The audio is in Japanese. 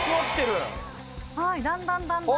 はいだんだんだんだん。